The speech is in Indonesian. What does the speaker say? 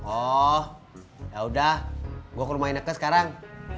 oh ya udah gue ke rumah i nekke sekarang